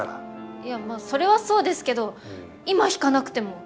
いやまそれはそうですけど今弾かなくても。